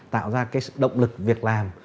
tạo ra động lực việc làm